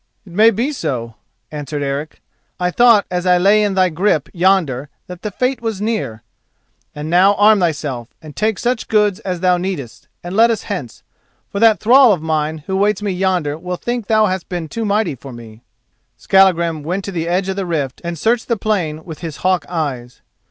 "It may be so," answered Eric. "I thought as I lay in thy grip yonder that the fate was near. And now arm thyself, and take such goods as thou needest, and let us hence, for that thrall of mine who waits me yonder will think thou hast been too mighty for me." Skallagrim went to the edge of the rift and searched the plain with his hawk eyes.